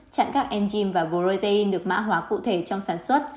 chặn các enzym và protein được mã hóa cụ thể trong sản xuất